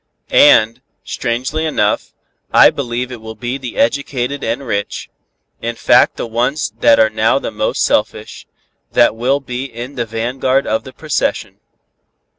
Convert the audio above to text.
And, strangely enough, I believe it will be the educated and rich, in fact the ones that are now the most selfish, that will be in the vanguard of the procession.